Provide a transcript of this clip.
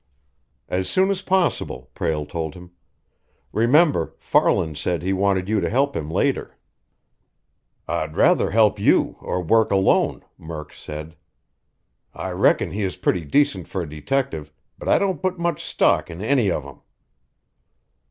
"As soon as possible," Prale told him. "Remember, Farland said he wanted you to help him later." "I'd rather help you or work alone," Murk said. "I reckon he is pretty decent for a detective, but I don't put much stock in any of 'em."